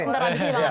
sebentar abis ini